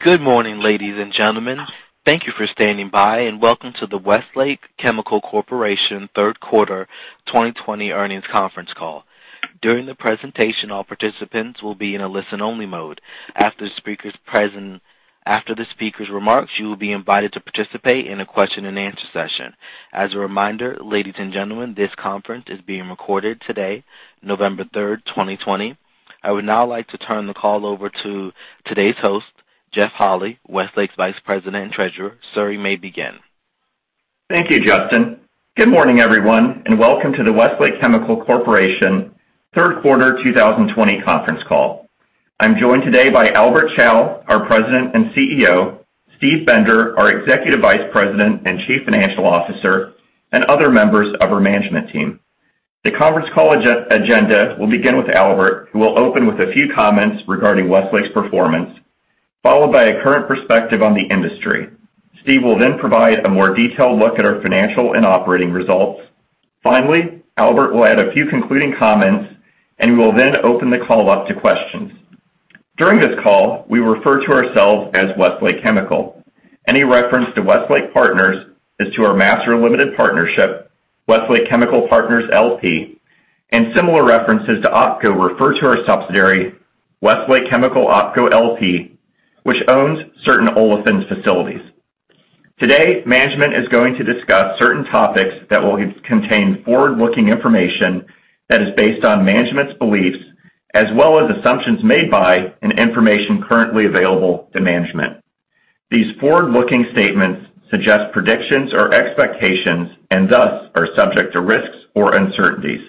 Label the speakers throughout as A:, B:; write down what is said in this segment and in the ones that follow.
A: Good morning, ladies and gentlemen. Thank you for standing by, and welcome to the Westlake Chemical Corporation Third Quarter 2020 Earnings Conference Call. During the presentation, all participants will be in a listen-only mode. After the speakers' remarks, you will be invited to participate in a question-and-answer session. As a reminder, ladies and gentlemen, this conference is being recorded today, November 3rd, 2020. I would now like to turn the call over to today's host, Jeff Holy, Westlake's Vice President and Treasurer. Sir, you may begin.
B: Thank you, Justin. Good morning, everyone, and welcome to the Westlake Chemical Corporation Third Quarter 2020 Conference Call. I'm joined today by Albert Chao, our President and CEO, Steven Bender, our Executive Vice President and Chief Financial Officer, and other members of our management team. The conference call agenda will begin with Albert, who will open with a few comments regarding Westlake's performance, followed by a current perspective on the industry. Steve will then provide a more detailed look at our financial and operating results. Finally, Albert will add a few concluding comments and will then open the call up to questions. During this call, we refer to ourselves as Westlake Chemical. Any reference to Westlake Partners is to our master limited partnership, Westlake Chemical Partners, LP, and similar references to OpCo refer to our subsidiary, Westlake Chemical OpCo LP, which owns certain olefins facilities. Today, management is going to discuss certain topics that will contain forward-looking information that is based on management's beliefs as well as assumptions made by and information currently available to management. These forward-looking statements suggest predictions or expectations and thus are subject to risks or uncertainties.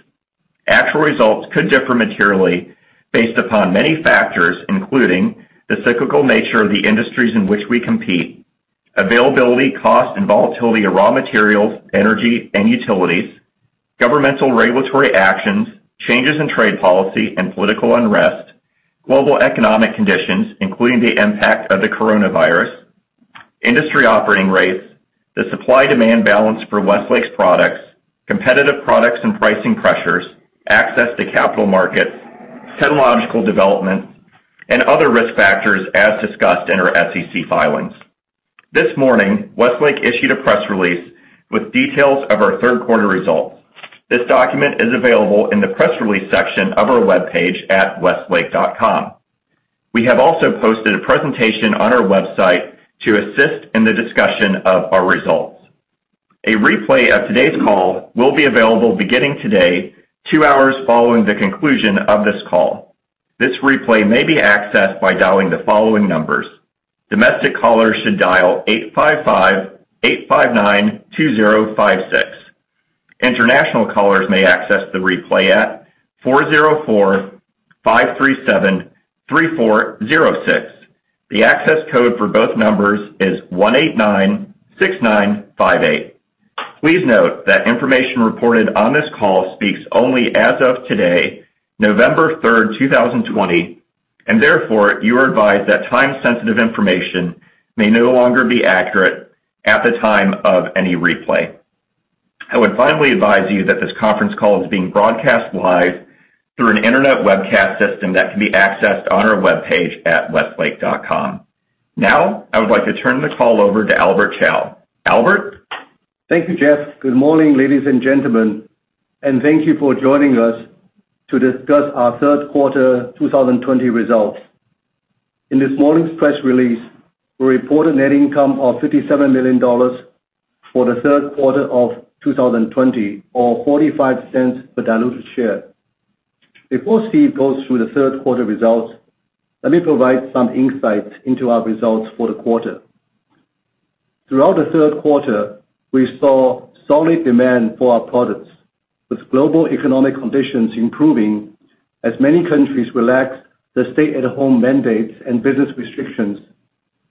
B: Actual results could differ materially based upon many factors, including the cyclical nature of the industries in which we compete, availability, cost, and volatility of raw materials, energy and utilities, governmental regulatory actions, changes in trade policy and political unrest, global economic conditions, including the impact of the coronavirus, industry operating rates, the supply-demand balance for Westlake's products, competitive products and pricing pressures, access to capital markets, technological developments, and other risk factors as discussed in our SEC filings. This morning, Westlake issued a press release with details of our third quarter results. This document is available in the press release section of our webpage at westlake.com. We have also posted a presentation on our website to assist in the discussion of our results. A replay of today's call will be available beginning today, two hours following the conclusion of this call. This replay may be accessed by dialing the following numbers. Domestic callers should dial 855-859-2056. International callers may access the replay at 404-537-3406. The access code for both numbers is 1896958. Please note that information reported on this call speaks only as of today, November 3rd, 2020, and therefore, you are advised that time-sensitive information may no longer be accurate at the time of any replay. I would finally advise you that this conference call is being broadcast live through an internet webcast system that can be accessed on our webpage at westlake.com. I would like to turn the call over to Albert Chao. Albert?
C: Thank you, Jeff. Good morning, ladies and gentlemen, and thank you for joining us to discuss our third quarter 2020 results. In this morning's press release, we report a net income of $57 million for the third quarter of 2020, or $0.45 per diluted share. Before Steve goes through the third quarter results, let me provide some insights into our results for the quarter. Throughout the third quarter, we saw solid demand for our products, with global economic conditions improving as many countries relaxed the stay-at-home mandates and business restrictions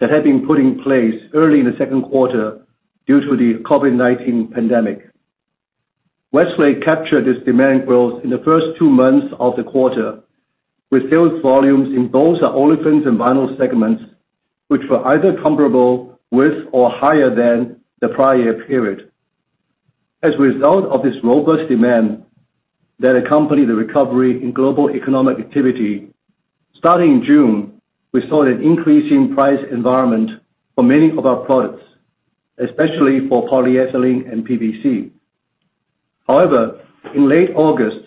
C: that had been put in place early in the second quarter due to the COVID-19 pandemic. Westlake captured this demand growth in the first two months of the quarter with sales volumes in both our olefins and vinyl segments, which were either comparable with or higher than the prior period. As a result of this robust demand that accompanied the recovery in global economic activity, starting in June, we saw an increase in price environment for many of our products, especially for polyethylene and PVC. In late August,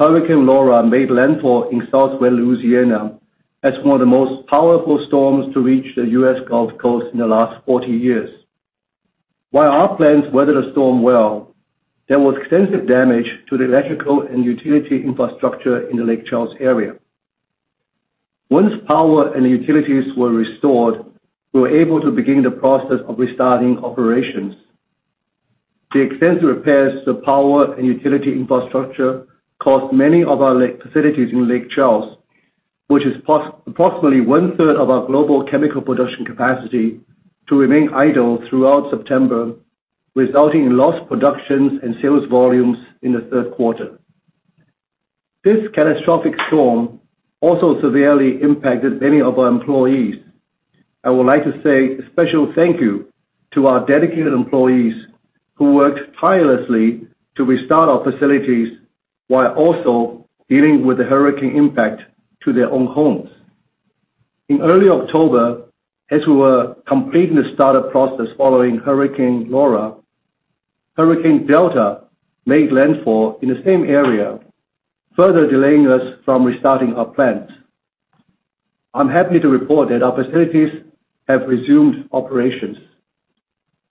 C: Hurricane Laura made landfall in southwest Louisiana as one of the most powerful storms to reach the U.S. Gulf Coast in the last 40 years. While our plants weathered the storm well, there was extensive damage to the electrical and utility infrastructure in the Lake Charles area. Once power and utilities were restored, we were able to begin the process of restarting operations. The extensive repairs to power and utility infrastructure caused many of our facilities in Lake Charles, which is approximately one-third of our global chemical production capacity, to remain idle throughout September, resulting in lost productions and sales volumes in the third quarter. This catastrophic storm also severely impacted many of our employees. I would like to say a special thank you to our dedicated employees who worked tirelessly to restart our facilities while also dealing with the hurricane impact to their own homes. In early October, as we were completing the startup process following Hurricane Laura, Hurricane Delta made landfall in the same area, further delaying us from restarting our plant. I'm happy to report that our facilities have resumed operations.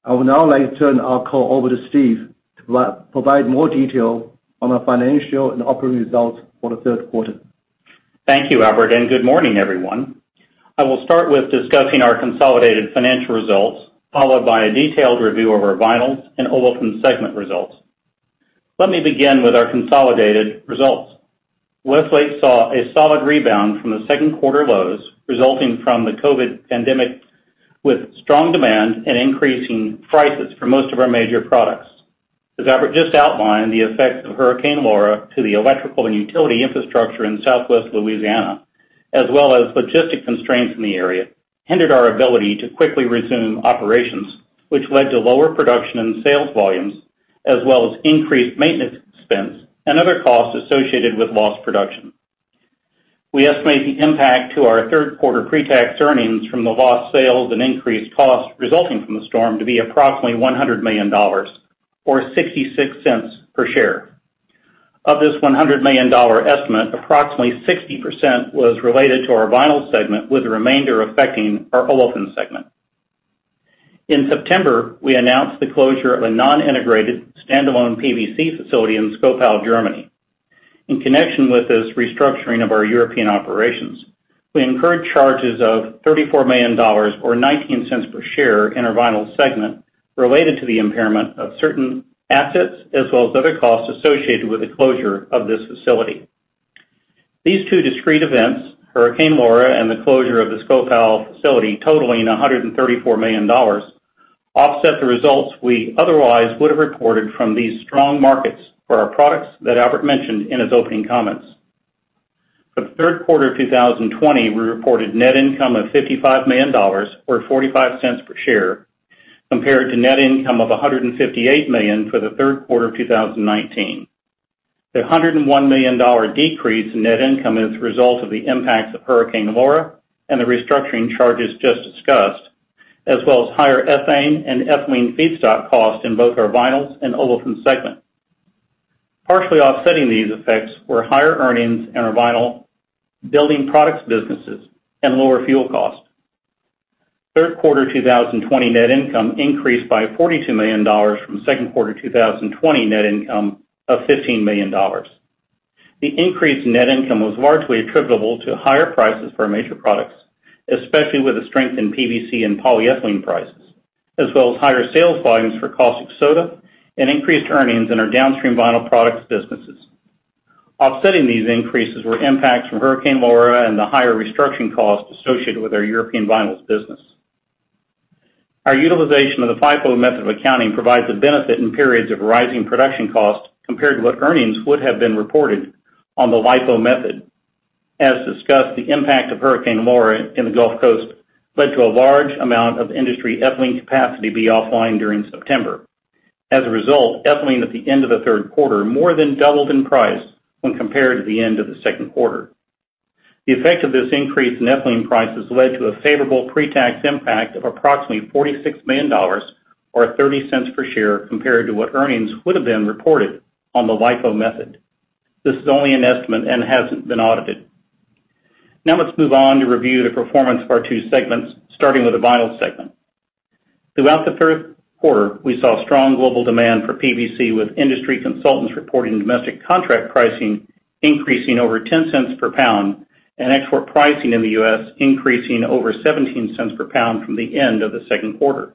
C: I would now like to turn our call over to Steve to provide more detail on our financial and operating results for the third quarter.
D: Thank you, Albert, and good morning, everyone. I will start with discussing our consolidated financial results, followed by a detailed review of our Vinyls and Olefins segment results. Let me begin with our consolidated results. Westlake saw a solid rebound from the second quarter lows resulting from the COVID-19 pandemic, with strong demand and increasing prices for most of our major products. As Albert just outlined, the effects of Hurricane Laura to the electrical and utility infrastructure in Southwest Louisiana, as well as logistic constraints in the area, hindered our ability to quickly resume operations, which led to lower production and sales volumes, as well as increased maintenance expense and other costs associated with lost production. We estimate the impact to our third quarter pre-tax earnings from the lost sales and increased costs resulting from the storm to be approximately $100 million, or $0.66 per share. Of this $100 million estimate, approximately 60% was related to our Vinyls segment, with the remainder affecting our Olefins segment. In September, we announced the closure of a non-integrated standalone PVC facility in Schkopau, Germany. In connection with this restructuring of our European operations, we incurred charges of $34 million, or $0.19 per share in our Vinyls segment related to the impairment of certain assets, as well as other costs associated with the closure of this facility. These two discrete events, Hurricane Laura and the closure of the Schkopau facility totaling $134 million, offset the results we otherwise would have reported from these strong markets for our products that Albert mentioned in his opening comments. For the third quarter of 2020, we reported net income of $55 million, or $0.45 per share, compared to net income of $158 million for the third quarter of 2019. The $101 million decrease in net income is the result of the impacts of Hurricane Laura and the restructuring charges just discussed, as well as higher ethane and ethylene feedstock costs in both our Vinyls and Olefins segment. Partially offsetting these effects were higher earnings in our Vinyl Building Products businesses and lower fuel costs. Third quarter 2020 net income increased by $42 million from second quarter 2020 net income of $15 million. The increased net income was largely attributable to higher prices for our major products, especially with the strength in PVC and polyethylene prices, as well as higher sales volumes for caustic soda and increased earnings in our downstream vinyl products businesses. Offsetting these increases were impacts from Hurricane Laura and the higher restructuring costs associated with our European Vinyls business. Our utilization of the FIFO method of accounting provides a benefit in periods of rising production costs compared to what earnings would have been reported on the LIFO method. As discussed, the impact of Hurricane Laura in the Gulf Coast led to a large amount of industry ethylene capacity be offline during September. As a result, ethylene at the end of the third quarter more than doubled in price when compared to the end of the second quarter. The effect of this increase in ethylene prices led to a favorable pre-tax impact of approximately $46 million, or $0.30 per share, compared to what earnings would have been reported on the LIFO method. This is only an estimate and hasn't been audited. Now let's move on to review the performance of our two segments, starting with the Vinyls segment. Throughout the third quarter, we saw strong global demand for PVC, with industry consultants reporting domestic contract pricing increasing over $0.10 per pound and export pricing in the U.S. increasing over $0.17 per pound from the end of the second quarter.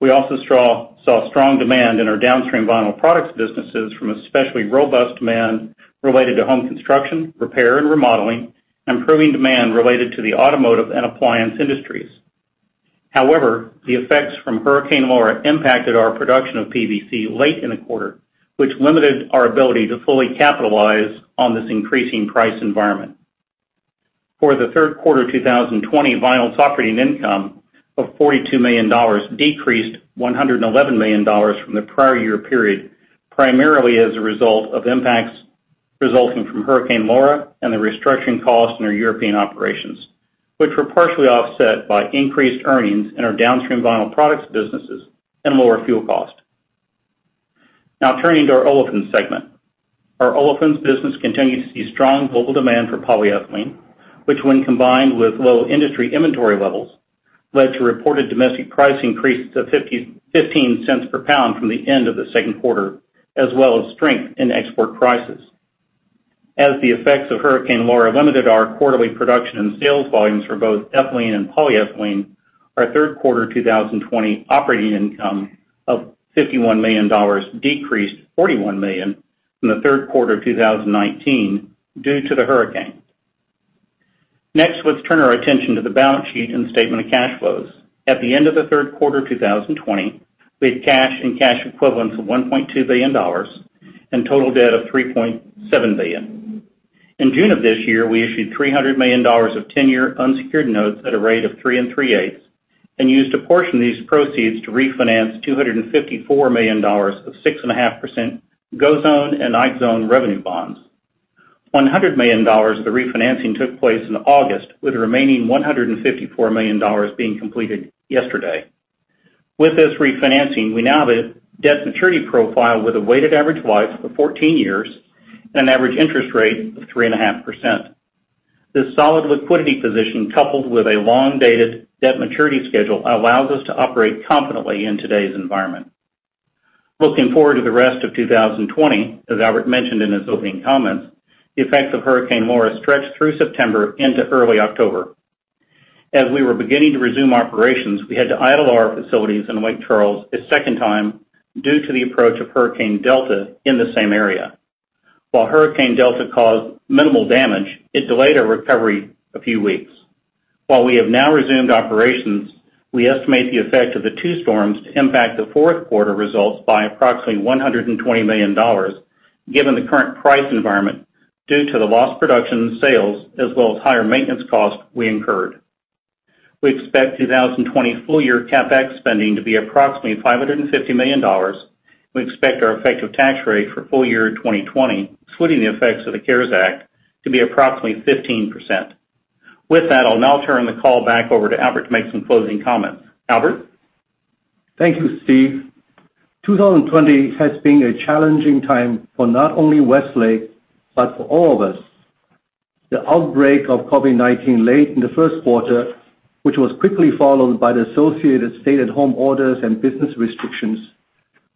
D: We also saw strong demand in our downstream vinyl products businesses from especially robust demand related to home construction, repair, and remodeling, improving demand related to the automotive and appliance industries. The effects from Hurricane Laura impacted our production of PVC late in the quarter, which limited our ability to fully capitalize on this increasing price environment. For the third quarter 2020, Vinyls operating income of $42 million decreased $111 million from the prior year period, primarily as a result of impacts resulting from Hurricane Laura and the restructuring costs in our European operations, which were partially offset by increased earnings in our downstream vinyl products businesses and lower fuel cost. Now turning to our Olefins segment. Our Olefins business continues to see strong global demand for polyethylene, which when combined with low industry inventory levels, led to reported domestic price increases of $0.15 per pound from the end of the second quarter, as well as strength in export prices. As the effects of Hurricane Laura limited our quarterly production and sales volumes for both ethylene and polyethylene, our third quarter 2020 operating income of $51 million decreased $41 million from the third quarter of 2019 due to the hurricane. Next, let's turn our attention to the balance sheet and statement of cash flows. At the end of the third quarter 2020, we had cash and cash equivalents of $1.2 billion and total debt of $3.7 billion. In June of this year, we issued $300 million of 10-year unsecured notes at a rate of three and three eighths, and used a portion of these proceeds to refinance $254 million of 6.5% GO Zone and Ike Zone revenue bonds. $100 million of the refinancing took place in August, with the remaining $154 million being completed yesterday. With this refinancing, we now have a debt maturity profile with a weighted average life of 14 years and an average interest rate of 3.5%. This solid liquidity position, coupled with a long-dated debt maturity schedule, allows us to operate confidently in today's environment. Looking forward to the rest of 2020, as Albert mentioned in his opening comments, the effects of Hurricane Laura stretched through September into early October. As we were beginning to resume operations, we had to idle our facilities in Lake Charles a second time due to the approach of Hurricane Delta in the same area. While Hurricane Delta caused minimal damage, it delayed our recovery a few weeks. While we have now resumed operations, we estimate the effect of the two storms to impact the fourth quarter results by approximately $120 million, given the current price environment, due to the lost production sales as well as higher maintenance costs we incurred. We expect 2020 full-year CapEx spending to be approximately $550 million. We expect our effective tax rate for full-year 2020, excluding the effects of the CARES Act, to be approximately 15%. With that, I'll now turn the call back over to Albert to make some closing comments. Albert?
C: Thank you, Steve. 2020 has been a challenging time for not only Westlake, but for all of us. The outbreak of COVID-19 late in the first quarter, which was quickly followed by the associated stay-at-home orders and business restrictions,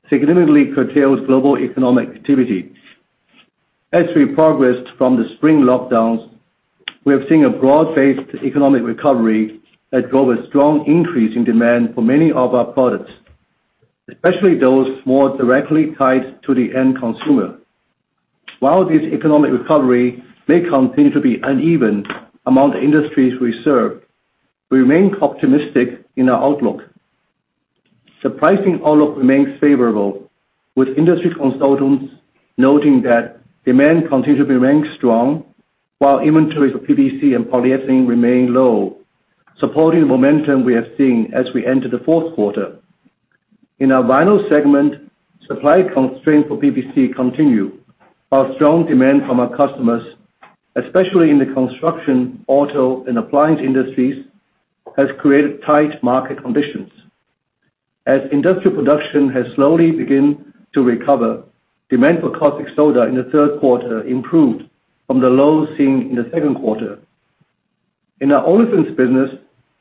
C: significantly curtails global economic activity. As we progressed from the spring lockdowns, we have seen a broad-based economic recovery that drove a strong increase in demand for many of our products, especially those more directly tied to the end consumer. While this economic recovery may continue to be uneven among the industries we serve, we remain optimistic in our outlook. Supply chain outlook remains favorable, with industry consultants noting that demand continues to remain strong while inventory for PVC and polyethylene remain low, supporting momentum we have seen as we enter the fourth quarter. In our vinyl segment, supply constraints for PVC continue, while strong demand from our customers, especially in the construction, auto, and appliance industries, has created tight market conditions. As industrial production has slowly begin to recover, demand for caustic soda in the third quarter improved from the low seen in the second quarter. In our olefins business,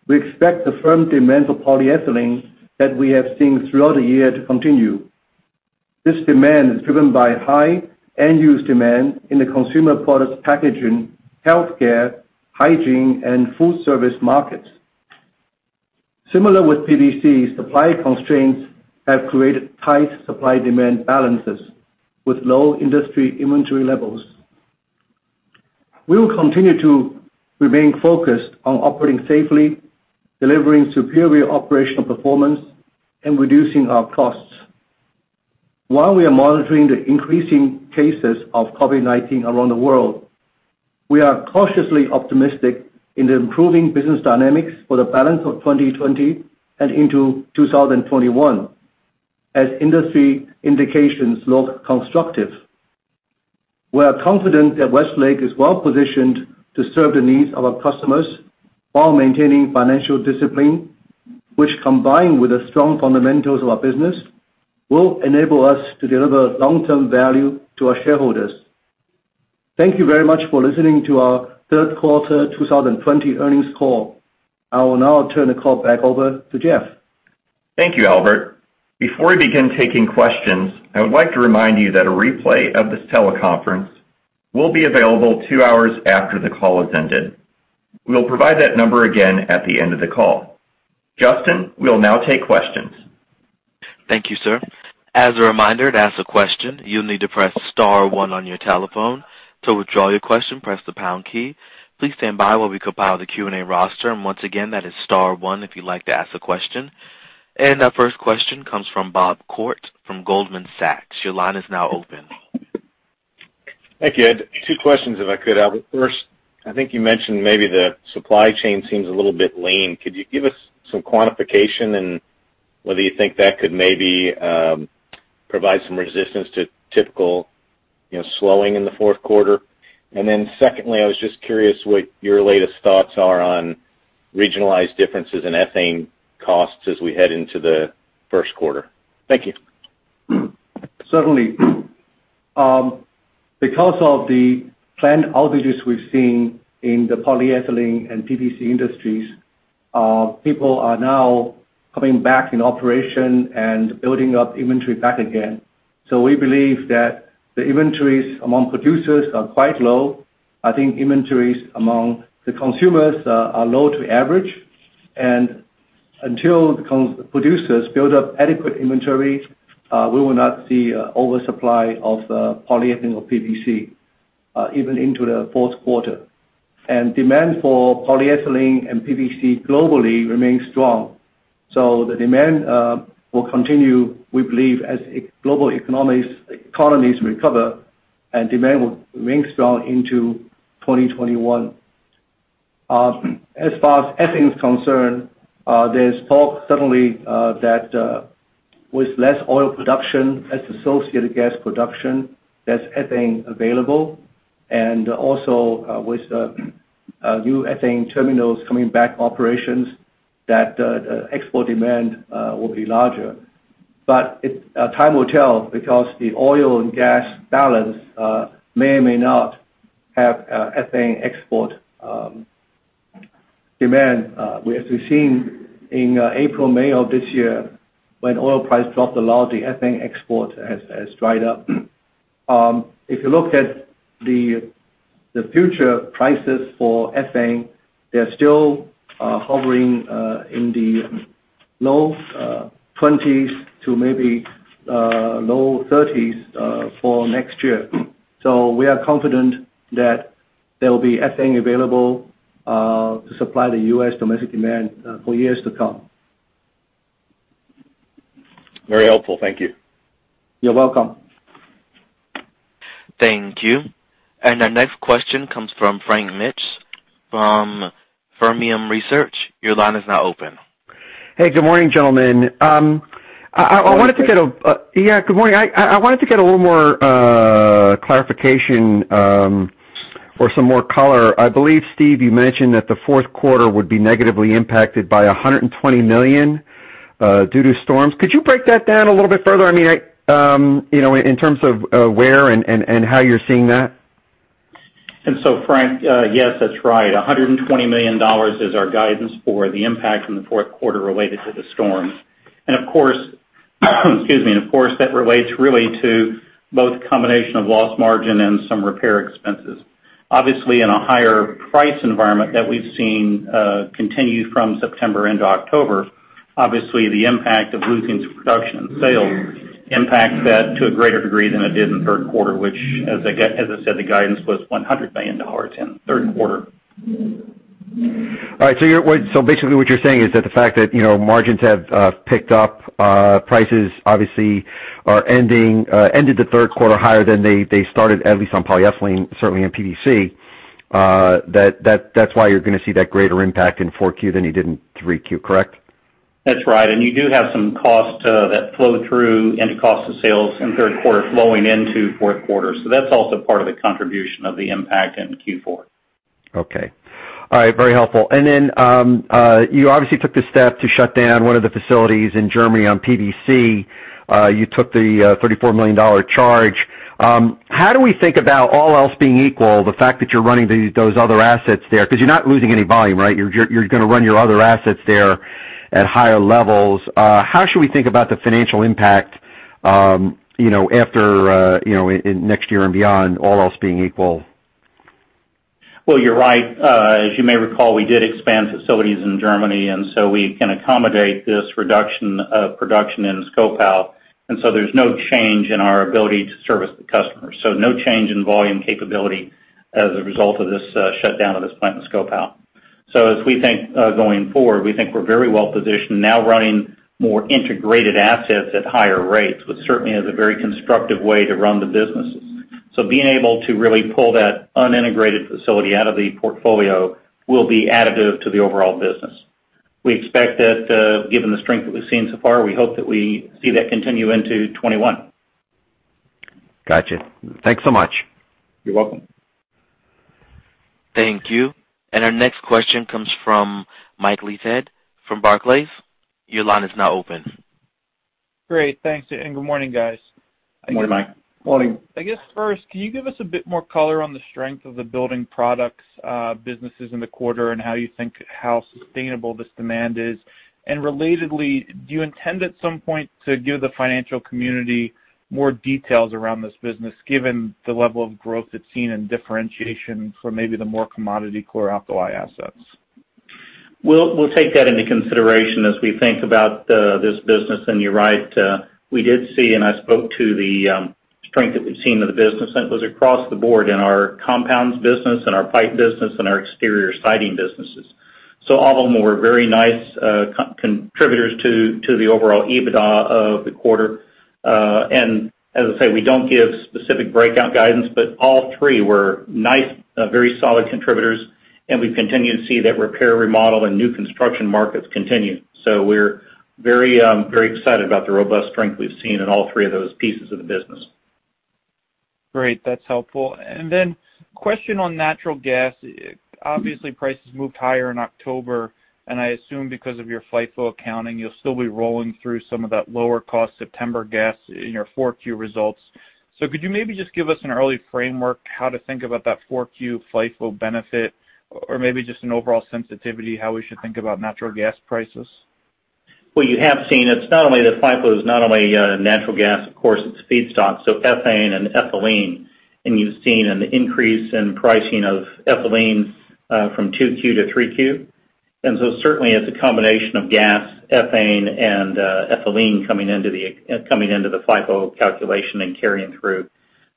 C: we expect the firm demand for polyethylene that we have seen throughout the year to continue. This demand is driven by high end-use demand in the consumer products packaging, healthcare, hygiene, and food service markets. Similar with PVC, supply constraints have created tight supply-demand balances with low industry inventory levels. We will continue to remain focused on operating safely, delivering superior operational performance, and reducing our costs. While we are monitoring the increasing cases of COVID-19 around the world, we are cautiously optimistic in the improving business dynamics for the balance of 2020 and into 2021, as industry indications look constructive. We are confident that Westlake is well-positioned to serve the needs of our customers while maintaining financial discipline, which, combined with the strong fundamentals of our business, will enable us to deliver long-term value to our shareholders. Thank you very much for listening to our third quarter 2020 earnings call. I will now turn the call back over to Jeff.
B: Thank you, Albert. Before we begin taking questions, I would like to remind you that a replay of this teleconference will be available two hours after the call has ended. We'll provide that number again at the end of the call. Justin, we'll now take questions.
A: Thank you, sir. As a reminder, to ask a question, you'll need to press star one on your telephone. To withdraw your question, press the pound key. Please stand by while we compile the Q&A roster. Once again, that is star one if you'd like to ask a question. Our first question comes from Bob Koort from Goldman Sachs. Your line is now open.
E: Thank you. Two questions if I could, Albert. First, I think you mentioned maybe the supply chain seems a little bit lean. Could you give us some quantification on whether you think that could maybe provide some resistance to typical slowing in the fourth quarter? Secondly, I was just curious what your latest thoughts are on regionalized differences in ethane costs as we head into the first quarter. Thank you.
C: Certainly. Because of the plant outages we've seen in the polyethylene and PVC industries, people are now coming back in operation and building up inventory back again. We believe that the inventories among producers are quite low. I think inventories among the consumers are low to average. Until the producers build up adequate inventory, we will not see an oversupply of polyethylene or PVC, even into the fourth quarter. Demand for polyethylene and PVC globally remains strong. The demand will continue, we believe, as global economies recover, and demand will remain strong into 2021. As far as ethane is concerned, there's talk suddenly that with less oil production, less associated gas production, there's ethane available, and also with new ethane terminals coming back operations, that export demand will be larger. Time will tell, because the oil and gas balance may or may not have ethane export demand. As we've seen in April, May of this year, when oil price dropped a lot, the ethane export has dried up. If you look at the future prices for ethane, they're still hovering in the low 20s to maybe low 30s for next year. We are confident that there will be ethane available to supply the U.S. domestic demand for years to come.
E: Very helpful. Thank you.
C: You're welcome.
A: Thank you. Our next question comes from Frank Mitsch from Fermium Research. Your line is now open.
F: Hey, good morning, gentlemen.
C: Good morning, Frank.
F: Yeah, good morning. I wanted to get a little more clarification or some more color. I believe, Steve, you mentioned that the fourth quarter would be negatively impacted by $120 million due to storms. Could you break that down a little bit further? In terms of where and how you're seeing that?
D: Frank, yes, that's right. $120 million is our guidance for the impact in the fourth quarter related to the storms. Of course that relates really to both combination of lost margin and some repair expenses. Obviously, in a higher price environment that we've seen continue from September into October, obviously the impact of losing some production and sales impacts that to a greater degree than it did in the third quarter, which, as I said, the guidance was $100 million in the third quarter.
F: All right. Basically what you're saying is that the fact that margins have picked up, prices obviously ended the third quarter higher than they started, at least on polyethylene, certainly in PVC. That's why you're going to see that greater impact in 4Q than you did in 3Q, correct?
D: That's right. You do have some costs that flow through into cost of sales in third quarter flowing into fourth quarter. That's also part of the contribution of the impact in Q4.
F: Okay. All right, very helpful. Then you obviously took the step to shut down one of the facilities in Germany on PVC. You took the $34 million charge. How do we think about all else being equal, the fact that you're running those other assets there, because you're not losing any volume, right? You're going to run your other assets there at higher levels. How should we think about the financial impact after next year and beyond, all else being equal?
D: Well, you're right. As you may recall, we did expand facilities in Germany, we can accommodate this reduction of production in Schkopau. There's no change in our ability to service the customer. No change in volume capability as a result of this shutdown of this plant in Schkopau. As we think going forward, we think we're very well positioned now running more integrated assets at higher rates, which certainly is a very constructive way to run the businesses. Being able to really pull that unintegrated facility out of the portfolio will be additive to the overall business. We expect that given the strength that we've seen so far, we hope that we see that continue into 2021.
F: Gotcha. Thanks so much.
D: You're welcome.
A: Thank you. Our next question comes from Mike Leithead from Barclays. Your line is now open.
G: Great. Thanks, and good morning, guys.
D: Good morning, Mike.
C: Morning.
G: I guess first, can you give us a bit more color on the strength of the building products businesses in the quarter and how you think how sustainable this demand is? Relatedly, do you intend at some point to give the financial community more details around this business, given the level of growth it's seen and differentiation from maybe the more commodity core olefin assets?
D: We'll take that into consideration as we think about this business. You're right, we did see, and I spoke to the strength that we've seen of the business, and it was across the board in our compounds business, in our pipe business, in our exterior siding businesses. All of them were very nice contributors to the overall EBITDA of the quarter. As I say, we don't give specific breakout guidance, but all three were nice, very solid contributors, and we continue to see that repair, remodel, and new construction markets continue. We're very excited about the robust strength we've seen in all three of those pieces of the business.
G: Great. That's helpful. Question on natural gas. Obviously, prices moved higher in October, I assume because of your FIFO accounting, you'll still be rolling through some of that lower cost September gas in your Q4 results. Could you maybe just give us an early framework how to think about that Q4 FIFO benefit? Maybe just an overall sensitivity, how we should think about natural gas prices?
D: Well, you have seen, FIFO is not only natural gas, of course, it's feedstock, so ethane and ethylene. You've seen an increase in pricing of ethylene from 2Q to 3Q. Certainly it's a combination of gas, ethane, and ethylene coming into the FIFO calculation and carrying through.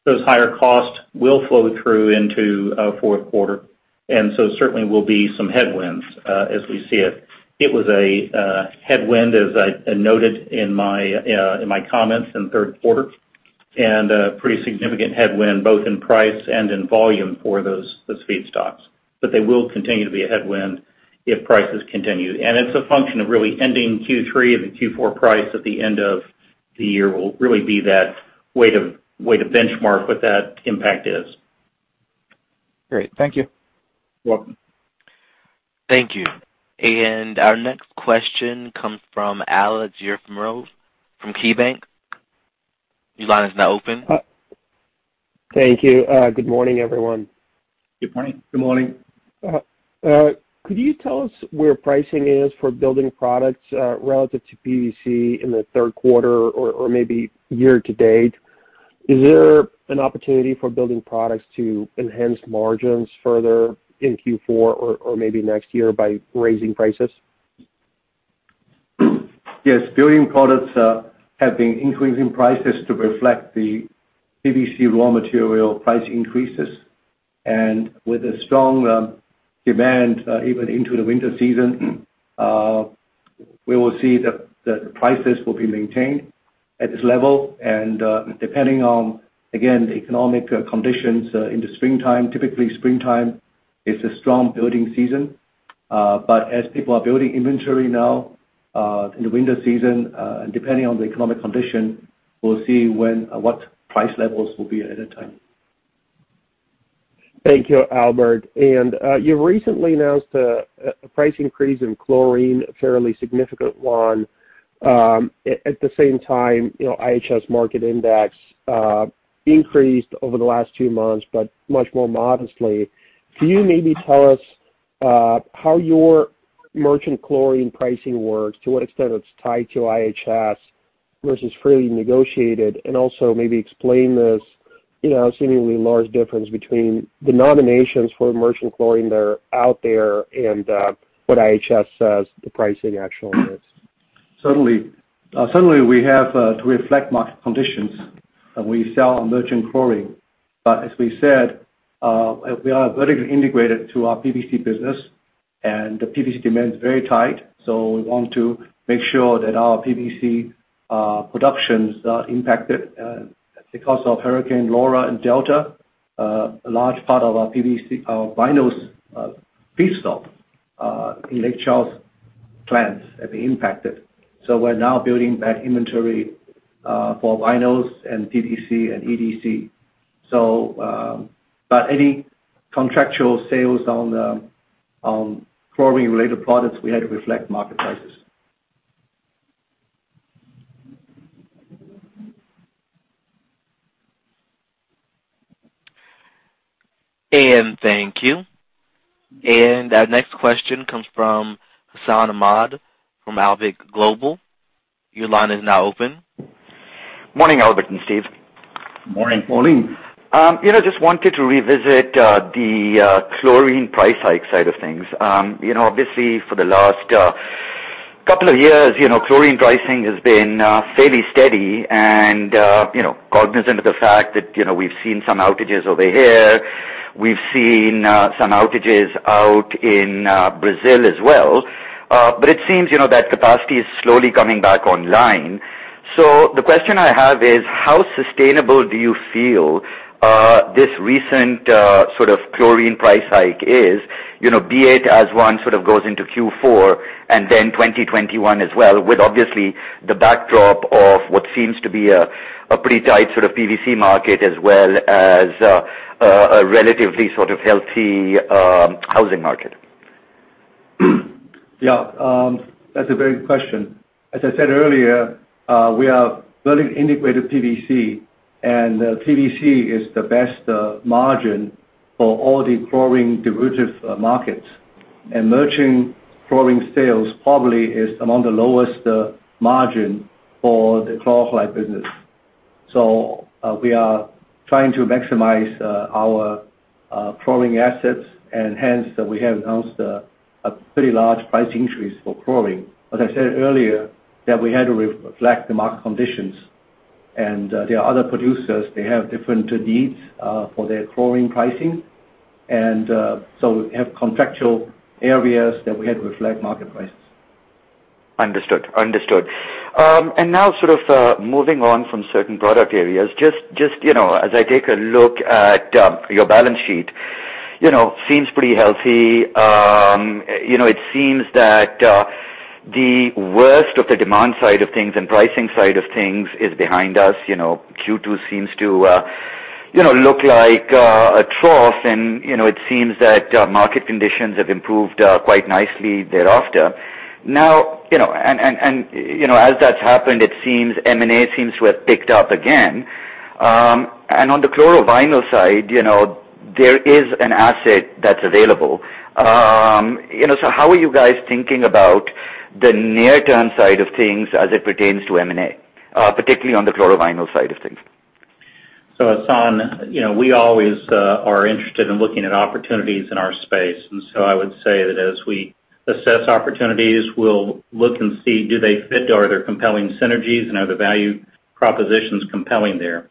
D: Those higher costs will flow through into fourth quarter, and so certainly will be some headwinds as we see it. It was a headwind, as I noted in my comments in the third quarter, and a pretty significant headwind both in price and in volume for those feedstocks. They will continue to be a headwind if prices continue. It's a function of really ending Q3 and the Q4 price at the end of the year will really be that way to benchmark what that impact is.
G: Great. Thank you.
D: You're welcome.
A: Thank you. Our next question comes from Alex Yefremov from KeyBanc. Your line is now open.
H: Thank you. Good morning, everyone.
D: Good morning.
C: Good morning.
H: Could you tell us where pricing is for building products relative to PVC in the third quarter or maybe year-to-date? Is there an opportunity for building products to enhance margins further in Q4 or maybe next year by raising prices?
C: Yes. Building products have been increasing prices to reflect the PVC raw material price increases. With a strong demand even into the winter season, we will see that the prices will be maintained at this level. Depending on, again, the economic conditions in the springtime, typically springtime is a strong building season. As people are building inventory now in the winter season, depending on the economic condition, we'll see what price levels will be at that time.
H: Thank you, Albert. You recently announced a price increase in chlorine, a fairly significant one. At the same time, IHS Markit Index increased over the last two months, but much more modestly. Can you maybe tell us how your merchant chlorine pricing works, to what extent it's tied to IHS versus freely negotiated? Also maybe explain this seemingly large difference between the nominations for merchant chlorine that are out there and what IHS says the pricing actually is.
C: Certainly. We have to reflect market conditions. We sell merchant chlorine. As we said, we are vertically integrated to our PVC business, and the PVC demand is very tight, so we want to make sure that our PVC productions are impacted. Because of Hurricane Laura and Delta, a large part of our vinyl feedstock in Lake Charles plants have been impacted. We're now building back inventory for vinyls and PVC and EDC. Any contractual sales on the chlorine-related products, we had to reflect market prices.
A: Thank you. Our next question comes from Hassan Ahmed from Alembic Global Advisors. Your line is now open.
I: Morning, Albert and Steve.
C: Morning.
D: Morning.
I: Just wanted to revisit the chlorine price hike side of things. Obviously, for the last couple of years, chlorine pricing has been fairly steady and cognizant of the fact that we've seen some outages over here, we've seen some outages out in Brazil as well. It seems that capacity is slowly coming back online. The question I have is how sustainable do you feel this recent sort of chlorine price hike is, be it as one sort of goes into Q4 and then 2021 as well, with obviously the backdrop of what seems to be a pretty tight sort of PVC market as well as a relatively sort of healthy housing market?
C: Yeah. That's a very good question. As I said earlier, we are vertically integrated PVC, and PVC is the best margin for all the chlorine derivative markets. Merchant chlorine sales probably is among the lowest margin for the chlor-alkali business. Hence we have announced a pretty large price increase for chlorine. As I said earlier, that we had to reflect the market conditions. There are other producers, they have different needs for their chlorine pricing. So we have contractual areas that we had to reflect market prices.
I: Understood. Now sort of moving on from certain product areas, just as I take a look at your balance sheet, seems pretty healthy. It seems that the worst of the demand side of things and pricing side of things is behind us. Q2 seems to look like a trough, and it seems that market conditions have improved quite nicely thereafter. As that's happened, it seems M&A seems to have picked up again. On the chlorovinyl side, there is an asset that's available. How are you guys thinking about the near-term side of things as it pertains to M&A, particularly on the chlorovinyl side of things?
D: Hassan, we always are interested in looking at opportunities in our space. I would say that as we assess opportunities, we'll look and see, do they fit? Are there compelling synergies, and are the value propositions compelling there?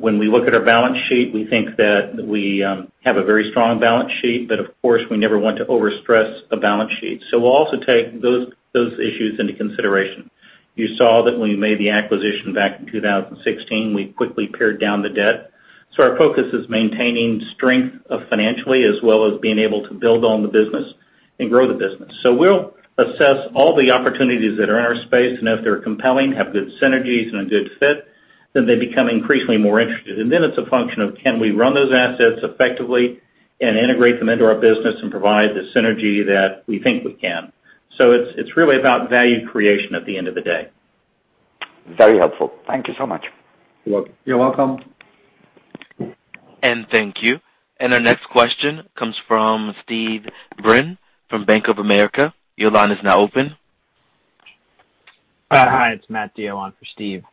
D: When we look at our balance sheet, we think that we have a very strong balance sheet, but of course, we never want to overstress the balance sheet. We'll also take those issues into consideration. You saw that when we made the acquisition back in 2016, we quickly pared down the debt. Our focus is maintaining strength financially, as well as being able to build on the business and grow the business. We'll assess all the opportunities that are in our space, and if they're compelling, have good synergies and a good fit, then they become increasingly more interesting. It's a function of can we run those assets effectively and integrate them into our business and provide the synergy that we think we can. It's really about value creation at the end of the day.
I: Very helpful. Thank you so much.
D: You're welcome.
A: Thank you. Our next question comes from Steve Byrne from Bank of America. Your line is now open.
J: Hi, it's Matthew Diczok on for Steve.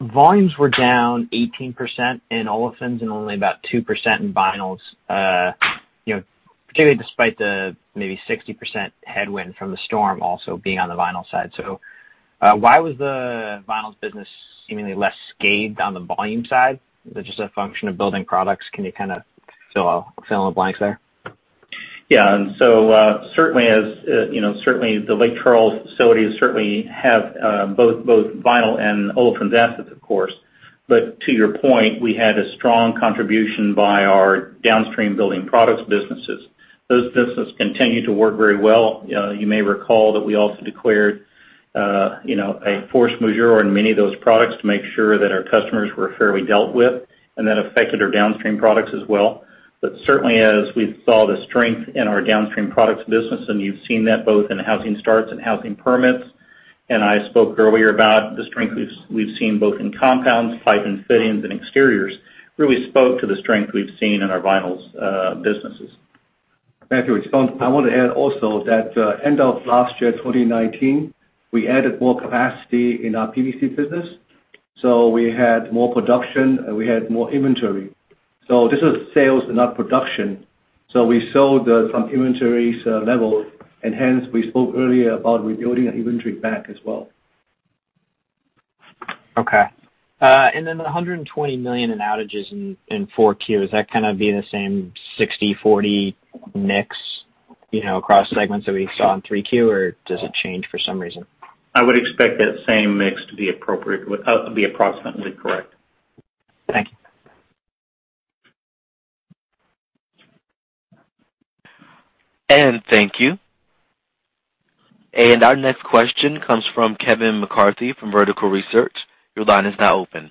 J: Volumes were down 18% in olefins and only about 2% in vinyls, particularly despite the maybe 60% headwind from the storm also being on the vinyl side. Why was the vinyls business seemingly less scathed on the volume side? Is it just a function of building products? Can you kind of fill in the blanks there?
D: Yeah. Certainly the Lake Charles facility certainly have both vinyl and olefins assets, of course. To your point, we had a strong contribution by our downstream building products businesses. Those businesses continue to work very well. You may recall that we also declared a force majeure on many of those products to make sure that our customers were fairly dealt with, and that affected our downstream products as well. Certainly as we saw the strength in our downstream products business, and you've seen that both in housing starts and housing permits. I spoke earlier about the strength we've seen both in compounds, pipe and fittings, and exteriors, really spoke to the strength we've seen in our vinyls businesses.
C: Matthew, I want to add also that end of last year, 2019, we added more capacity in our PVC business. We had more production, and we had more inventory. This is sales, not production. We sold some inventories level, and hence we spoke earlier about rebuilding the inventory back as well.
J: Okay. The $120 million in outages in 4Q, is that going to be the same 60/40 mix across segments that we saw in 3Q, or does it change for some reason?
D: I would expect that same mix to be approximately correct.
J: Thank you.
A: Thank you. Our next question comes from Kevin McCarthy from Vertical Research. Your line is now open.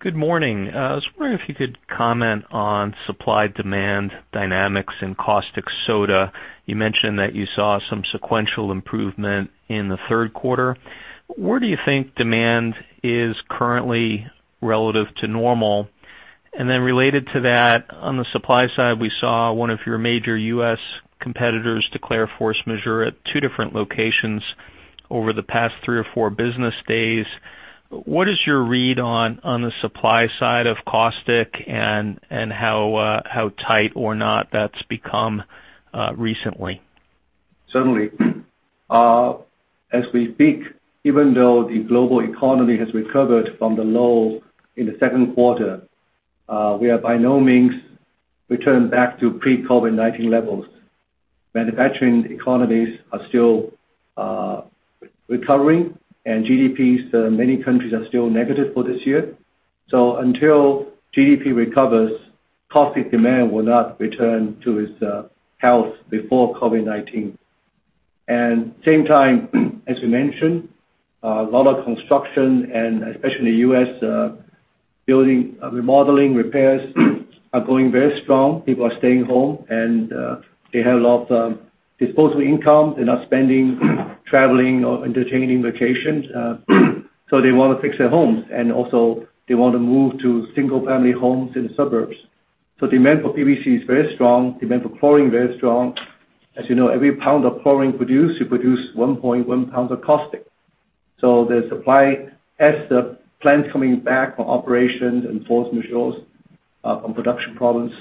K: Good morning. I was wondering if you could comment on supply-demand dynamics in caustic soda. You mentioned that you saw some sequential improvement in the third quarter. Where do you think demand is currently relative to normal? Related to that, on the supply side, we saw one of your major U.S. competitors declare force majeure at two different locations over the past three or four business days. What is your read on the supply side of caustic and how tight or not that's become recently?
C: Certainly. As we speak, even though the global economy has recovered from the low in the second quarter, we are by no means returned back to pre-COVID-19 levels. Manufacturing economies are still recovering. GDPs of many countries are still negative for this year. Until GDP recovers, caustic demand will not return to its health before COVID-19. Same time, as you mentioned, a lot of construction and especially U.S. building remodeling repairs are going very strong. People are staying home, and they have a lot of disposable income. They're not spending, traveling or entertaining vacations. They want to fix their homes, and also they want to move to single-family homes in the suburbs. Demand for PVC is very strong, demand for chlorine very strong. As you know, every pound of chlorine produced, you produce 1.1 pounds of caustic. The supply as the plant coming back on operations and force majeure from production problems,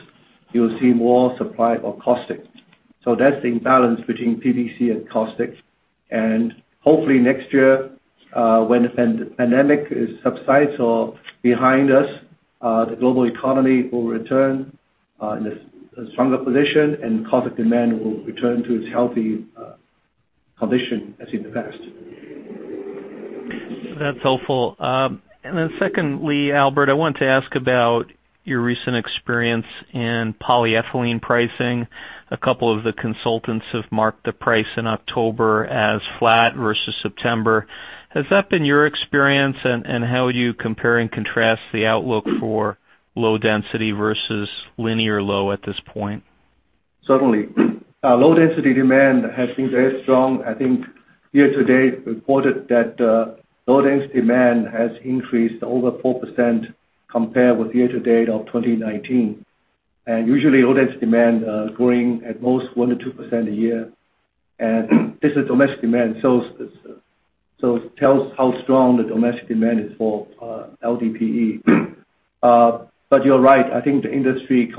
C: you'll see more supply of caustic. That's the imbalance between PVC and caustic. Hopefully next year, when the pandemic subsides or behind us, the global economy will return in a stronger position, and caustic demand will return to its healthy condition as in the past.
K: That's helpful. Then secondly, Albert, I wanted to ask about your recent experience in polyethylene pricing. A couple of the consultants have marked the price in October as flat versus September. Has that been your experience, and how would you compare and contrast the outlook for low density versus linear low at this point?
C: Certainly. Low-density demand has been very strong. I think year-to-date reported that low-density demand has increased over 4% compared with year-to-date of 2019. Usually low-density demand growing at most 1%-2% a year. This is domestic demand, so it tells how strong the domestic demand is for LDPE. You're right, I think the industry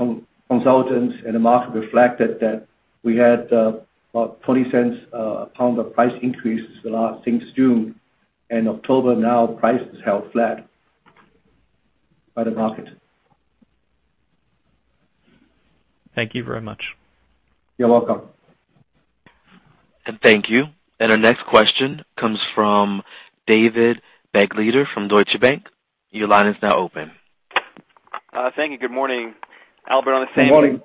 C: consultants and the market reflected that we had about $0.20 a pound of price increases the last since June and October now, prices held flat by the market.
K: Thank you very much.
C: You're welcome.
A: Thank you. Our next question comes from David Begleiter from Deutsche Bank. Your line is now open.
L: Thank you. Good morning.
C: Good morning.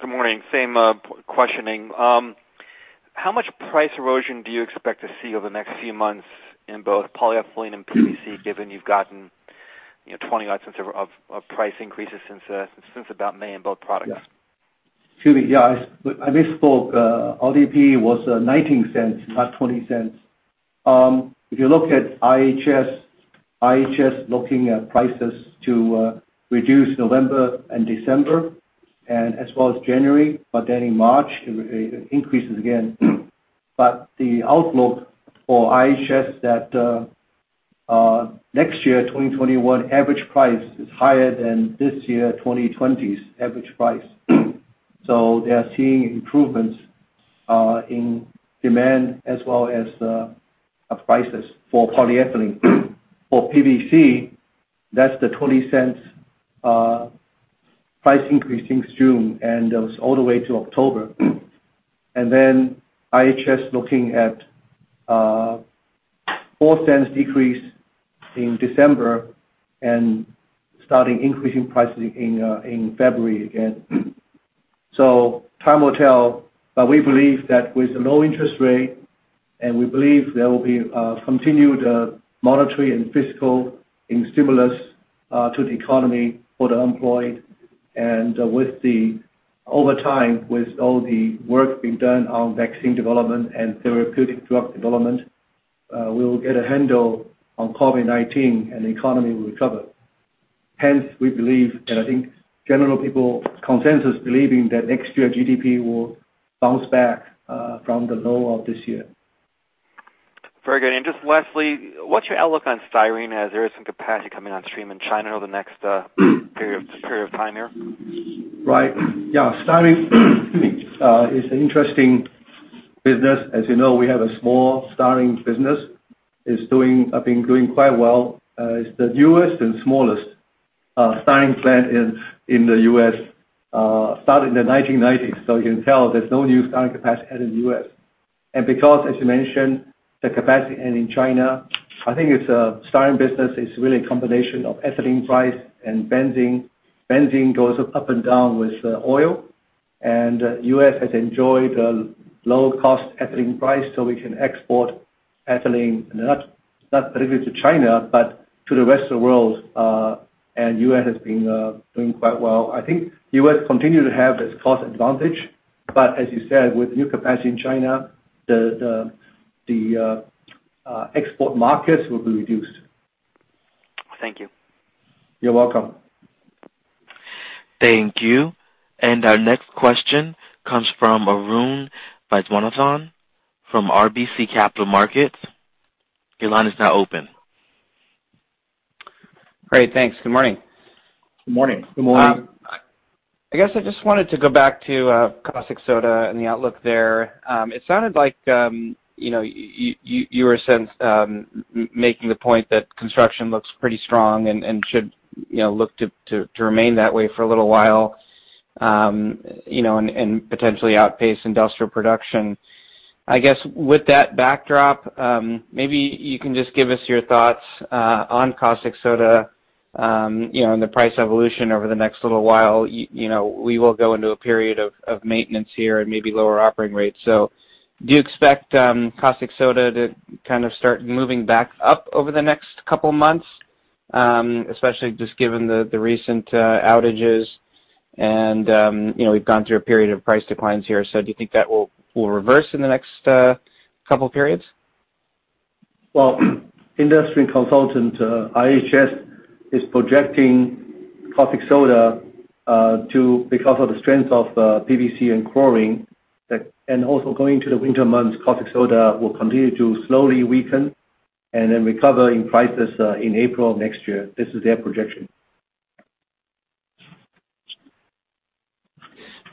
L: Good morning. Same questioning. How much price erosion do you expect to see over the next few months in both polyethylene and PVC, given you've gotten $0.20 odd of price increases since about May in both products?
C: Excuse me. Yeah. I misspoke. LDPE was $0.19, not $0.20. IHS looking at prices to reduce November and December, as well as January. Then in March, it increases again. The outlook for IHS that next year, 2021 average price is higher than this year, 2020's average price. They are seeing improvements in demand as well as prices for polyethylene. For PVC, that's the $0.20 price increase since June. That was all the way to October. IHS looking at $0.04 decrease in December. Starting increasing prices in February again. Time will tell. We believe that with the low interest rate, and we believe there will be continued monetary and fiscal stimulus to the economy for the unemployed. Over time, with all the work being done on vaccine development and therapeutic drug development, we will get a handle on COVID-19, and the economy will recover. We believe that, I think general people consensus believing that next year GDP will bounce back from the low of this year.
L: Very good. Just lastly, what's your outlook on styrene, as there is some capacity coming on stream in China over the next period of time there?
C: Right. Yeah. Styrene excuse me, is an interesting business. As you know, we have a small styrene business. It's been doing quite well. It's the newest and smallest styrene plant in the U.S. Started in the 1990s. You can tell there's no new styrene capacity added in the U.S. Because, as you mentioned, the capacity in China, I think the styrene business is really a combination of ethylene price and benzene. Benzene goes up and down with oil. U.S. has enjoyed a low-cost ethylene price. We can export ethylene, not particularly to China, but to the rest of the world. U.S. has been doing quite well. I think U.S. continue to have this cost advantage. As you said, with new capacity in China, the export markets will be reduced.
L: Thank you.
C: You're welcome.
A: Thank you. Our next question comes from Arun Viswanathan from RBC Capital Markets. Your line is now open.
M: Great, thanks. Good morning.
C: Good morning.
D: Good morning.
M: I guess I just wanted to go back to caustic soda and the outlook there. It sounded like you were a sense making the point that construction looks pretty strong and should look to remain that way for a little while, and potentially outpace industrial production. I guess, with that backdrop, maybe you can just give us your thoughts on caustic soda and the price evolution over the next little while. We will go into a period of maintenance here and maybe lower operating rates. Do you expect caustic soda to kind of start moving back up over the next couple of months? Especially just given the recent outages and we've gone through a period of price declines here. Do you think that will reverse in the next couple of periods?
C: Well, industry consultant IHS is projecting caustic soda to, because of the strength of PVC and chlorine, and also going into the winter months, caustic soda will continue to slowly weaken and then recover in prices in April of next year. This is their projection.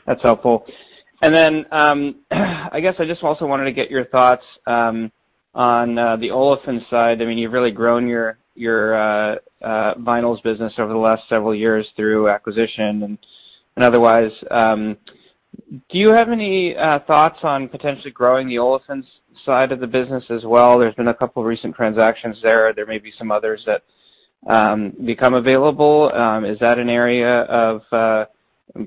M: That's helpful. I guess I just also wanted to get your thoughts on the olefin side. You've really grown your vinyls business over the last several years through acquisition and otherwise. Do you have any thoughts on potentially growing the olefin side of the business as well? There's been a couple of recent transactions there. There may be some others that become available. Is that an area of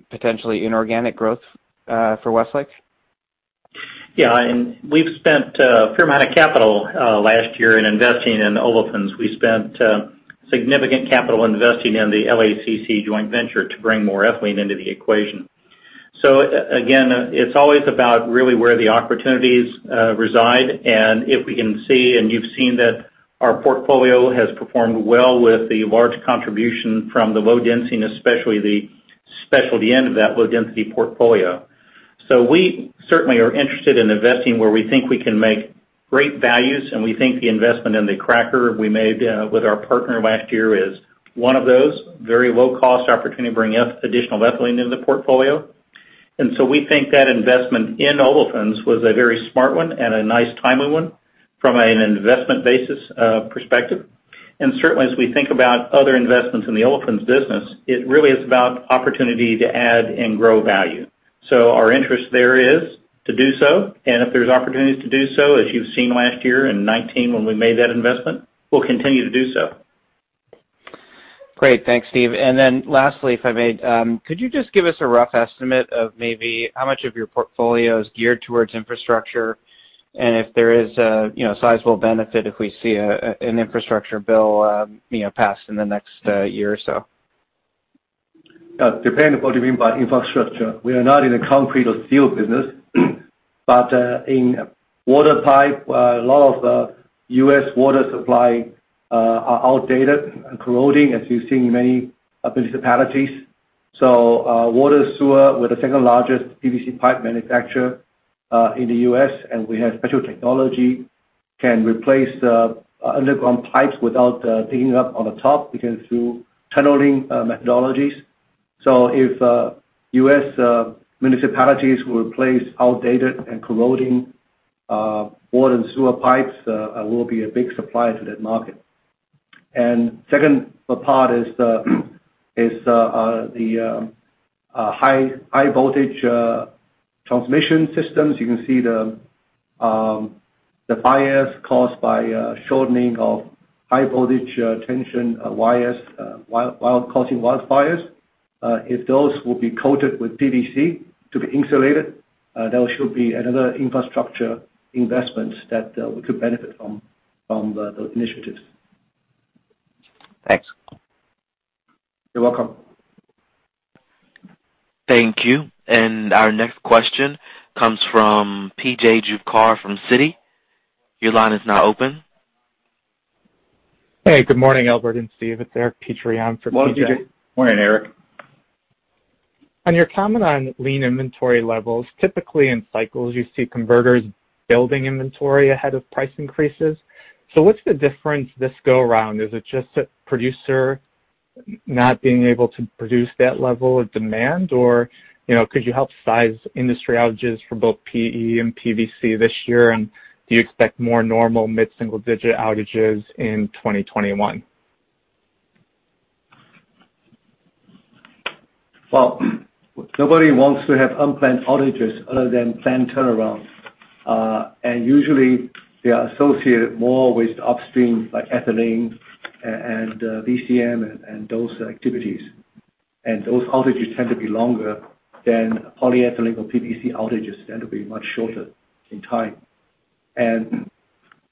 M: potentially inorganic growth for Westlake?
D: Yeah. We've spent a fair amount of capital last year in investing in olefins. We spent significant capital investing in the LACC joint venture to bring more ethylene into the equation. Again, it's always about really where the opportunities reside, and if we can see, and you've seen that our portfolio has performed well with the large contribution from the low-density, especially the specialty end of that low-density portfolio. We certainly are interested in investing where we think we can make great values, and we think the investment in the cracker we made with our partner last year is one of those. Very low-cost opportunity to bring additional ethylene into the portfolio. We think that investment in olefins was a very smart one and a nice timely one from an investment basis perspective. Certainly, as we think about other investments in the olefins business, it really is about opportunity to add and grow value. Our interest there is to do so. If there's opportunities to do so, as you've seen last year in 2019, when we made that investment, we'll continue to do so.
M: Great. Thanks, Steve. Lastly, if I may, could you just give us a rough estimate of maybe how much of your portfolio is geared towards infrastructure and if there is a sizable benefit if we see an infrastructure bill passed in the next year or so?
C: Depending on what you mean by infrastructure. We are not in a concrete or steel business, but in water pipe, a lot of U.S. water supply are outdated and corroding, as you've seen in many municipalities. Water, sewer, we're the second-largest PVC pipe manufacturer in the U.S., and we have special technology, can replace the underground pipes without digging up on the top. We can do tunneling methodologies. If U.S. municipalities will replace outdated and corroding water and sewer pipes, we will be a big supplier to that market. Second part is the high voltage transmission systems. You can see the fires caused by shortening of high voltage tension wires while causing wildfires. If those will be coated with PVC to be insulated, that should be another infrastructure investment that we could benefit from those initiatives.
M: Thanks.
C: You're welcome.
A: Thank you. Our next question comes from P.J. Juvekar from Citi. Your line is now open.
N: Hey, good morning, Albert and Steve. It's Eric Petrie for P.J.
C: Morning, Eric.
N: On your comment on lean inventory levels, typically in cycles, you see converters building inventory ahead of price increases. What's the difference this go around? Is it just a producer not being able to produce that level of demand? Could you help size industry outages for both PE and PVC this year, and do you expect more normal mid-single-digit outages in 2021?
C: Well, nobody wants to have unplanned outages other than planned turnarounds. Usually, they are associated more with upstream, like ethylene and VCM and those activities. Those outages tend to be longer than polyethylene or PVC outages tend to be much shorter in time. With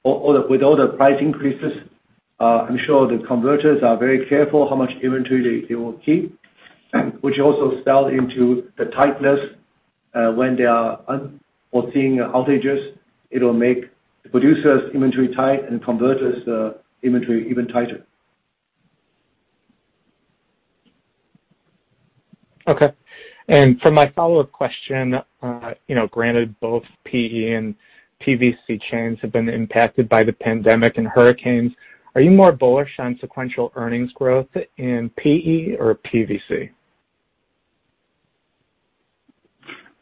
C: all the price increases, I'm sure the converters are very careful how much inventory they will keep, which also spell into the tightness. When they are unforeseen outages, it'll make the producer's inventory tight and converter's inventory even tighter.
N: Okay. For my follow-up question, granted both PE and PVC chains have been impacted by the pandemic and hurricanes, are you more bullish on sequential earnings growth in PE or PVC?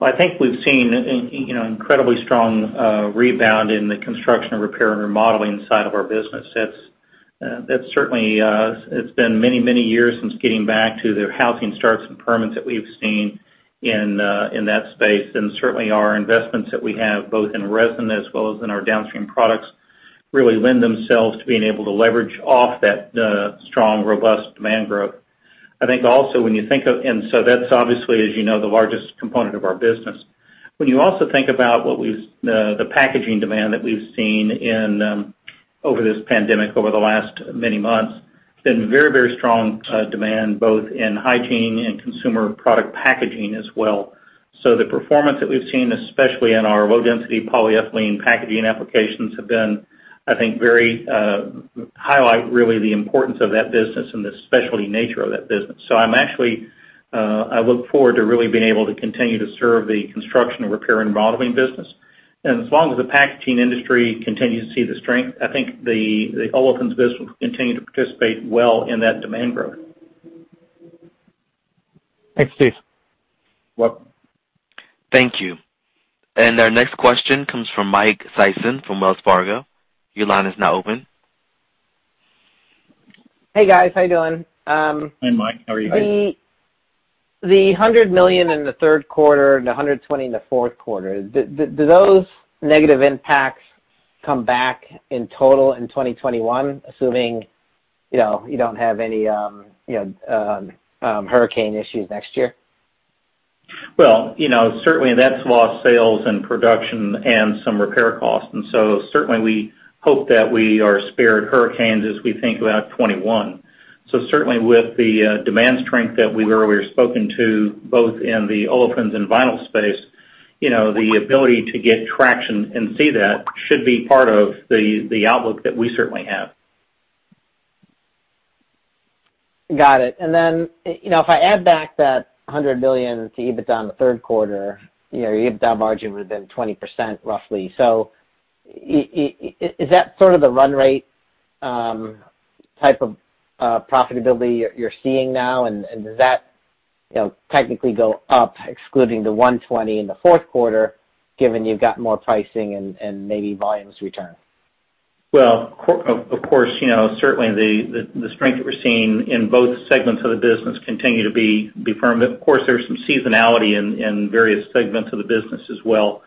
D: Well, I think we've seen incredibly strong rebound in the construction, repair, and remodeling side of our business. It's been many years since getting back to the housing starts and permits that we've seen in that space. Certainly our investments that we have, both in resin as well as in our downstream products, really lend themselves to being able to leverage off that strong, robust demand growth. That's obviously, as you know, the largest component of our business. When you also think about the packaging demand that we've seen over this pandemic over the last many months, it's been very strong demand both in hygiene and consumer product packaging as well. The performance that we've seen, especially in our low-density polyethylene packaging applications have been, I think, Highlight, really, the importance of that business and the specialty nature of that business. I look forward to really being able to continue to serve the construction, repair, and remodeling business. As long as the packaging industry continues to see the strength, I think the olefins business will continue to participate well in that demand growth.
N: Thanks, Steve.
D: Welcome.
A: Thank you. Our next question comes from Mike Sison from Wells Fargo. Your line is now open.
O: Hey, guys. How you doing?
D: Hey, Mike. How are you?
O: The $100 million in the third quarter and the $120 million in the fourth quarter, do those negative impacts come back in total in 2021, assuming you don't have any hurricane issues next year?
D: Well, certainly that's lost sales and production and some repair costs. Certainly we hope that we are spared hurricanes as we think about 2021. Certainly with the demand strength that we've earlier spoken to, both in the olefins and vinyl space, the ability to get traction and see that should be part of the outlook that we certainly have.
O: Got it. If I add back that $100 million to EBITDA in the third quarter, your EBITDA margin would have been 20% roughly. Is that sort of the run rate type of profitability you're seeing now? Does that technically go up excluding the $120 in the fourth quarter, given you've got more pricing and maybe volumes return?
D: Well, of course, certainly the strength that we're seeing in both segments of the business continue to be firm. Of course, there's some seasonality in various segments of the business as well.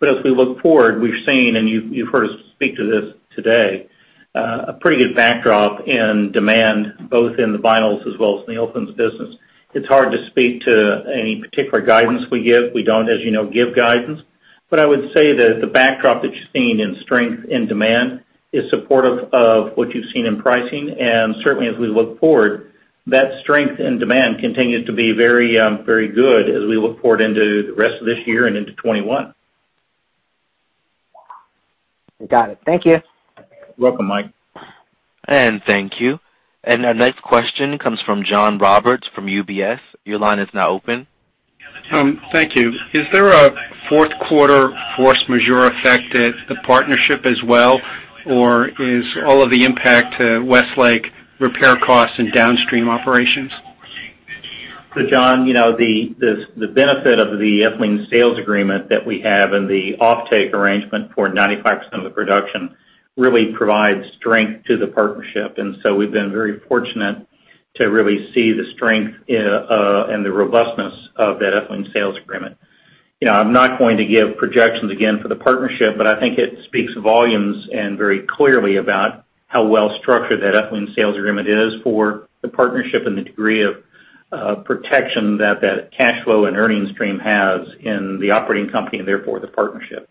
D: As we look forward, we've seen, and you've heard us speak to this today, a pretty good backdrop in demand, both in the vinyls as well as in the olefins business. It's hard to speak to any particular guidance we give. We don't, as you know, give guidance. I would say that the backdrop that you're seeing in strength in demand is supportive of what you've seen in pricing. Certainly, as we look forward, that strength in demand continues to be very good as we look forward into the rest of this year and into 2021.
O: Got it. Thank you.
D: You're welcome, Mike.
A: Thank you. Our next question comes from John Roberts from UBS. Your line is now open.
P: Thank you. Is there a fourth quarter force majeure effect at the partnership as well? Or is all of the impact to Westlake repair costs and downstream operations?
D: John, the benefit of the ethylene sales agreement that we have and the offtake arrangement for 95% of the production really provides strength to the partnership. We've been very fortunate to really see the strength and the robustness of that ethylene sales agreement. I'm not going to give projections again for the partnership, I think it speaks volumes and very clearly about how well structured that ethylene sales agreement is for the partnership and the degree of protection that cash flow and earnings stream has in the operating company and therefore the partnership.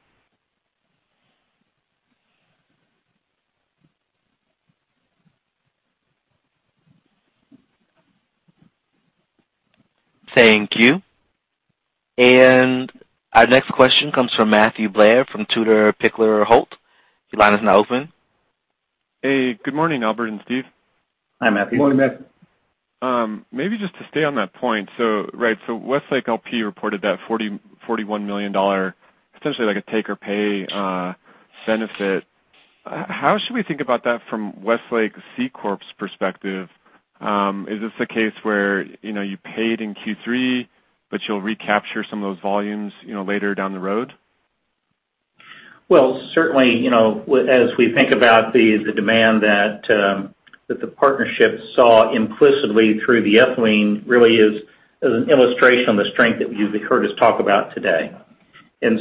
A: Thank you. Our next question comes from Matthew Blair from Tudor, Pickering Holt. Your line is now open.
Q: Hey, good morning, Albert and Steve.
D: Hi, Matthew.
C: Good morning, Matthew.
Q: Maybe just to stay on that point. Westlake LP reported that $41 million, essentially like a take or pay benefit. How should we think about that from Westlake C Corp's perspective? Is this a case where you paid in Q3, but you'll recapture some of those volumes later down the road?
D: Well, certainly, as we think about the demand that the partnership saw implicitly through the ethylene really is an illustration of the strength that you've heard us talk about today.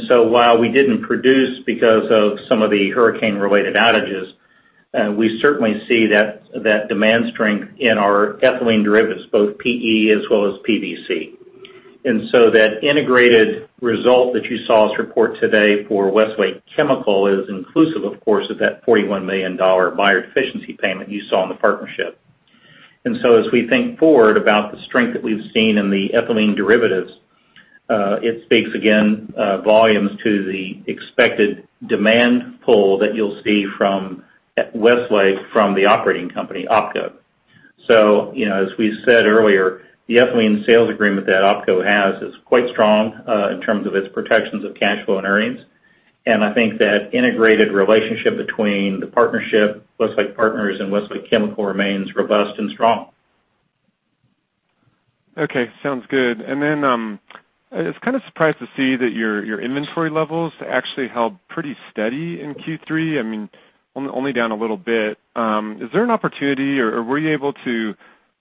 D: While we didn't produce because of some of the hurricane-related outages, we certainly see that demand strength in our ethylene derivatives, both PE as well as PVC. That integrated result that you saw us report today for Westlake Chemical is inclusive, of course, of that $41 million buyer deficiency payment you saw in the partnership. As we think forward about the strength that we've seen in the ethylene derivatives, it speaks again volumes to the expected demand pull that you'll see from Westlake from the operating company, OpCo. As we said earlier, the ethylene sales agreement that OpCo has is quite strong in terms of its protections of cash flow and earnings. I think that integrated relationship between the partnership, Westlake Partners, and Westlake Chemical remains robust and strong.
Q: Okay. Sounds good. I was kind of surprised to see that your inventory levels actually held pretty steady in Q3. Only down a little bit. Is there an opportunity, or were you able to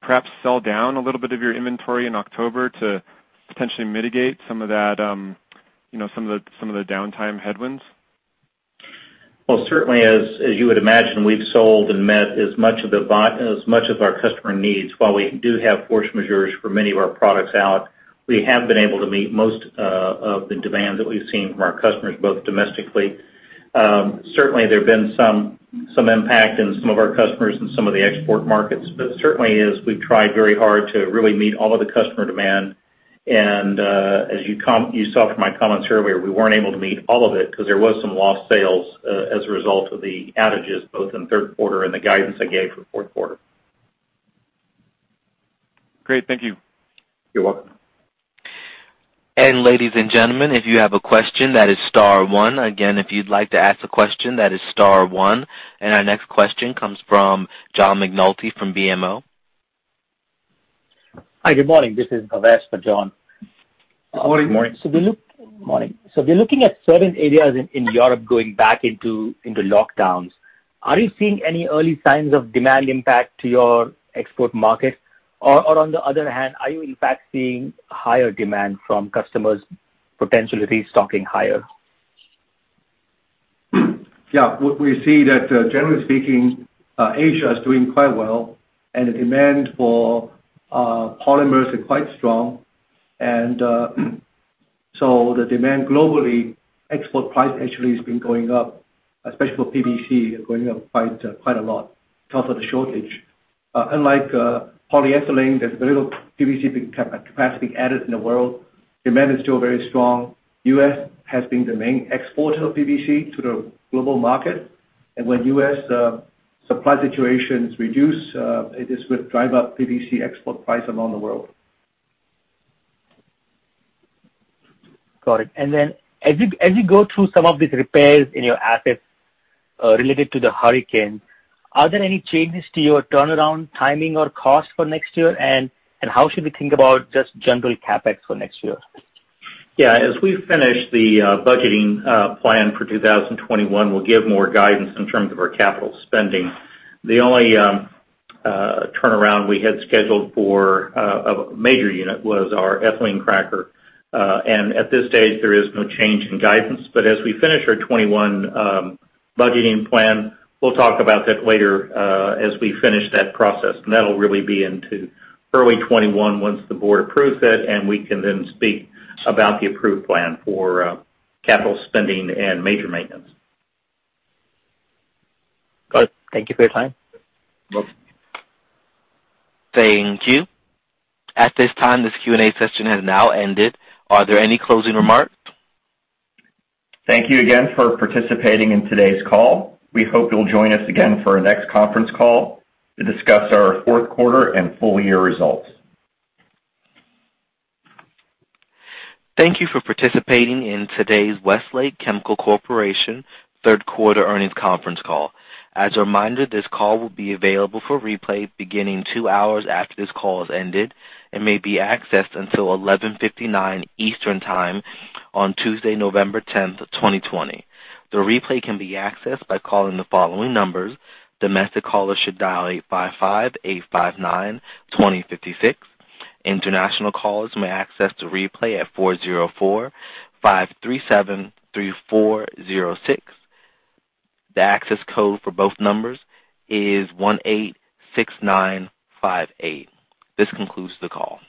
Q: perhaps sell down a little bit of your inventory in October to potentially mitigate some of the downtime headwinds?
D: Well, certainly as you would imagine, we've sold and met as much of our customer needs. While we do have force majeures for many of our products out, we have been able to meet most of the demand that we've seen from our customers, both domestically. Certainly, there have been some impact in some of our customers in some of the export markets. Certainly as we've tried very hard to really meet all of the customer demand. As you saw from my comments earlier, we weren't able to meet all of it because there was some lost sales as a result of the outages, both in the third quarter and the guidance I gave for fourth quarter.
Q: Great. Thank you.
D: You're welcome.
A: Ladies and gentlemen, if you have a question. Again, if you'd like to ask a question. Our next question comes from John McNulty from BMO.
R: Hi, good morning. This is Bhavesh for John.
D: Good morning.
C: Morning.
R: Morning. We're looking at certain areas in Europe going back into lockdowns. Are you seeing any early signs of demand impact to your export markets? On the other hand, are you in fact seeing higher demand from customers potentially restocking higher?
C: Yeah. We see that generally speaking, Asia is doing quite well, and the demand for polymers is quite strong. The demand globally, export price actually has been going up, especially for PVC, going up quite a lot because of the shortage. Unlike polyethylene, there's very little PVC capacity added in the world. Demand is still very strong. U.S. has been the main exporter of PVC to the global market. When U.S. supply situations reduce, this will drive up PVC export price among the world.
R: Got it. As you go through some of these repairs in your assets related to the Hurricane, are there any changes to your turnaround timing or cost for next year? How should we think about just general CapEx for next year?
D: Yeah. As we finish the budgeting plan for 2021, we'll give more guidance in terms of our capital spending. The only turnaround we had scheduled for a major unit was our ethylene cracker. At this stage, there is no change in guidance. As we finish our 2021 budgeting plan, we'll talk about that later, as we finish that process. That'll really be into early 2021, once the board approves it, and we can then speak about the approved plan for capital spending and major maintenance.
R: Got it. Thank you for your time.
D: Welcome.
A: Thank you. At this time, this Q&A session has now ended. Are there any closing remarks?
B: Thank you again for participating in today's call. We hope you'll join us again for our next conference call to discuss our fourth quarter and full-year results.
A: Thank you for participating in today's Westlake Chemical Corporation third quarter earnings conference call. As a reminder, this call will be available for replay beginning two hours after this call has ended and may be accessed until eleven fifty-nine Eastern Time on Tuesday, November tenth, 2020. The replay can be accessed by calling the following numbers. Domestic callers should dial eight five five eight five nine 2056. International callers may access the replay at four zero four five three seven three four zero six. The access code for both numbers is one eight six nine five eight. This concludes the call.